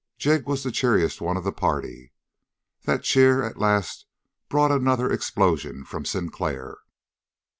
Jig was the cheeriest one of the party. That cheer at last brought another explosion from Sinclair.